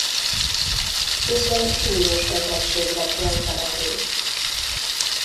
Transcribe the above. Közben súlyos betegség vett rajta erőt.